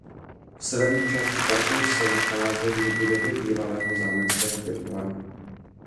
V severní části parku se nacházejí budovy bývalého zámeckého pivovaru.